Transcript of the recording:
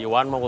ini lah php